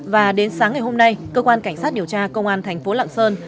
và đến sáng ngày hôm nay cơ quan cảnh sát điều tra công an thành phố lạng sơn